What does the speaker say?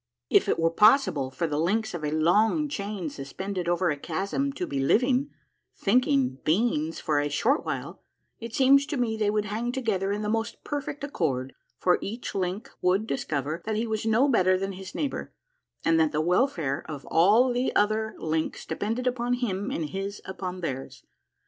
If it were possible for the links of a long chain suspended over a chasm to be living, thinking beings for a short while, it seems to me they would hang together in the most perfect accord, for each link would discover that he was no better than his neighbor, and that the welfare of all the otlier links depended upon him and his upon theirs.